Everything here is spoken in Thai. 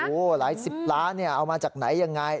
ละครันสิบล้านเนี่ยเอามาจากไหนยังไง